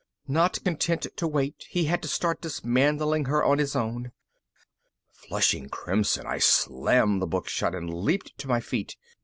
_ Not content to wait, he had to start dismantling her on his own. Flushing crimson, I slammed the book shut and leaped to my feet.